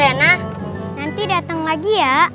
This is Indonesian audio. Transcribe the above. rena nanti datang lagi ya